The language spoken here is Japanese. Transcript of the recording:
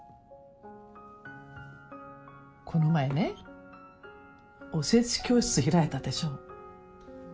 この前ねおせち教室開いたでしょう。